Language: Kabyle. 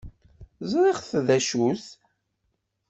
Ẓṛiɣ d acu-t.